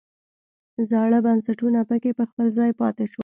زاړه بنسټونه پکې په خپل ځای پاتې شول.